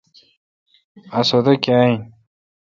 اسودہ کیا این۔